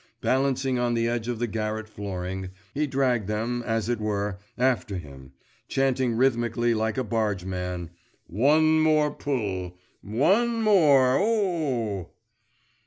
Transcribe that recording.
Balancing on the edge of the garret flooring, he dragged them, as it were, after him, chanting rhythmically like a bargeman, 'One more pull! one more! o oh!